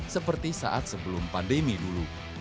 seperti saat sebelum pandemi dulu